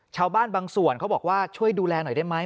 ชาวบ้านบางส่วนเขาบอกว่าช่วยดูแลหน่อยได้ไหม